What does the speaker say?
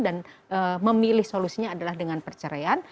dan memilih solusinya adalah dengan perceraian